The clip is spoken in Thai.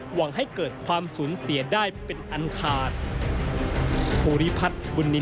หวังให้เกิดความสูญเสียได้เป็นอันขาด